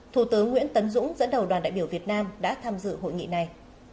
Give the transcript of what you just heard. thủ tướng nguyễn tấn dũng dẫn đầu đoàn đại biểu việt nam đã tham dự hội nghị này